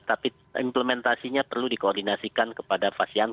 tapi implementasinya perlu dikoordinasikan kepada pasien